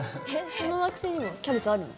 その惑星にもキャベツあるの？